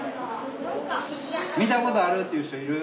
見たことあるっていう人いる？